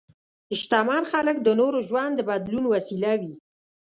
شتمن خلک د نورو ژوند د بدلون وسیله وي.